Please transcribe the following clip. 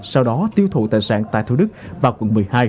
sau đó tiêu thụ tài sản tại thủ đức và quận một mươi hai